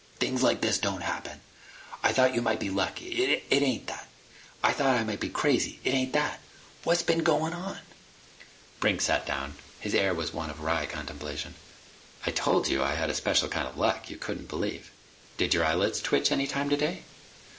Things like this don't happen! I thought you might be lucky. It ain't that. I thought I might be crazy. It ain't that! What has been goin' on?" Brink sat down. His air was one of wry contemplation. "I told you I had a special kind of luck you couldn't believe. Did your eyelids twitch any time today?"